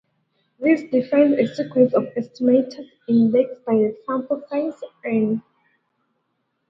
This defines a sequence of estimators, indexed by the sample size "n".